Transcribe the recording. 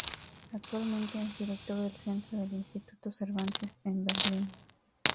Actualmente, es director del centro del Instituto Cervantes en Berlín.